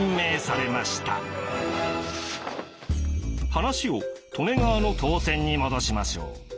話を利根川の東遷に戻しましょう。